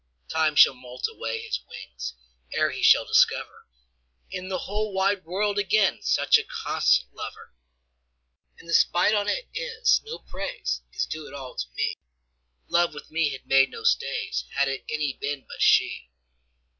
Time shall moult away his wingsEre he shall discoverIn the whole wide world againSuch a constant lover. But the spite on 't is, no praiseIs due at all to me:Love with me had made no stays, Had it any been but she.